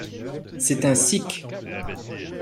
C'est un sikh.